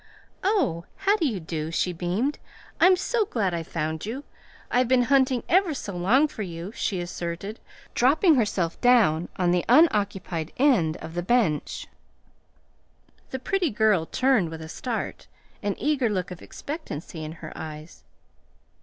"Oh, how do you do?" she beamed. "I'm so glad I found you! I've been hunting ever so long for you," she asserted, dropping herself down on the unoccupied end of the bench. The pretty girl turned with a start, an eager look of expectancy in her eyes.